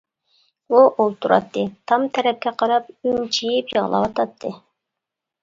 ئۇ ئولتۇراتتى، تام تەرەپكە قاراپ ئۈمچىيىپ يىغلاۋاتاتتى.